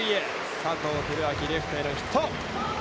佐藤輝明、レフトへのヒット！